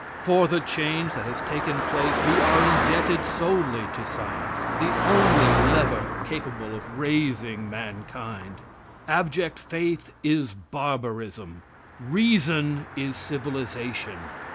For the change that has taken place we are indebted solely to science the only lever capable of raising mankind. Abject faith is barbarism; reason is civilization.